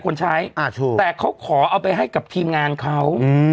คนใช้แต่เขาขอเอาไปให้กับทีมงานเขา